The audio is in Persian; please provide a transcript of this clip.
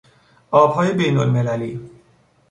آبهای بینالمللی